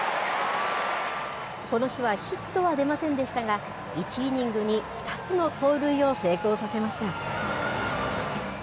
この日はヒットは出ませんでしたが、１イニングに２つの盗塁を成功させました。